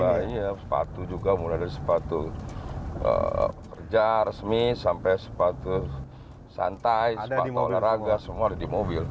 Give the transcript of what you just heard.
iya sepatu juga mulai dari sepatu kerja resmi sampai sepatu santai sepatu olahraga semua ada di mobil